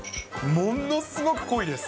ものすごく濃いです。